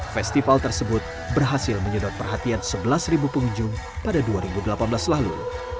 festival tersebut berhasil menyedot perhatian sebelas pengunjung pada dua ribu delapan belas lalu